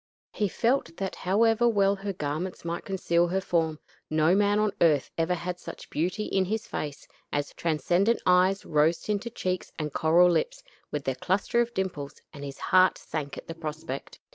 He felt that however well her garments might conceal her form, no man on earth ever had such beauty in his face as her transcendent eyes, rose tinted cheeks, and coral lips, with their cluster of dimples; and his heart sank at the prospect.